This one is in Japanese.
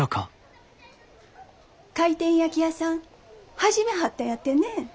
回転焼き屋さん始めはったんやてねえ。